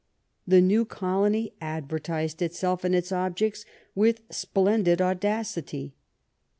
The new colony advertised itself and its objects with splendid audacity.